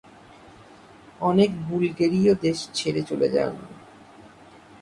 অনেক বুলগেরীয় দেশ ছেড়ে চলে যান।